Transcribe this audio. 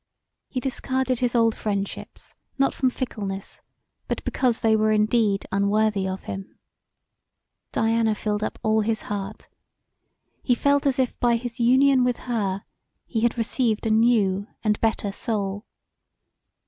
He discarded his old friendships not from fickleness but because they were indeed unworthy of him. Diana filled up all his heart: he felt as if by his union with her he had received a new and better soul.